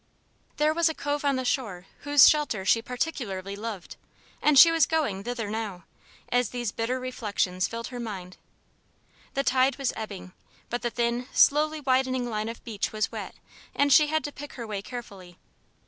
There was a cove on the shore whose shelter she particularly loved; and she was going thither now, as these bitter reflections filled her mind. The tide was ebbing, but the thin, slowly widening line of beach was wet and she had to pick her way carefully.